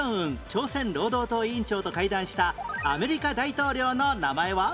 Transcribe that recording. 朝鮮労働党委員長と会談したアメリカ大統領の名前は？